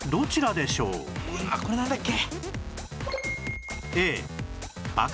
うわこれなんだっけ？